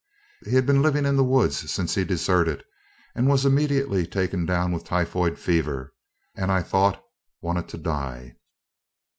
He had been living in the woods since he deserted, was immediately taken down with typhoid fever, and I thought wanted to die.